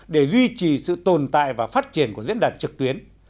để duy trì sự tồn tại và phát triển của diễn đàn trực tuyến